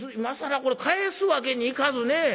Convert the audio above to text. これ返すわけにいかずねえ。